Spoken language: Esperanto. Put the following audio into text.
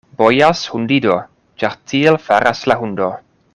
Bojas hundido, ĉar tiel faras la hundo.